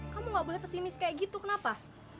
kamu gak boleh pesimis kayak gitu kenapa